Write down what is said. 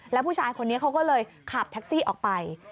แล้วผู้ชายคนนี้เขาก็เลยขับแท็กซี่ออกไป